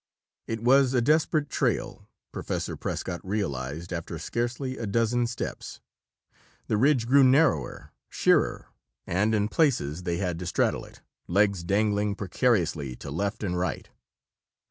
It was a desperate trail, Professor Prescott realized after scarcely a dozen steps. The ridge grew narrower, sheerer, and in places they had to straddle it, legs dangling precariously to left and right.